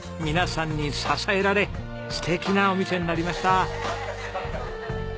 皆さんに支えられ素敵なお店になりました。